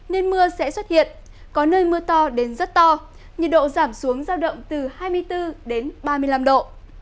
nên mưa sẽ xuất hiện có nơi mưa to đến rất to nhiệt độ giảm xuống giao động từ hai mươi bốn đến ba mươi năm độ